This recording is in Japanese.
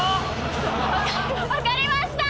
分かりました。